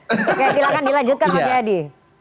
oke silahkan dilanjutkan mas jayadi